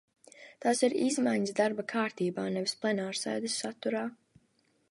Tās ir izmaiņas darba kārtībā, nevis plenārsēdes saturā.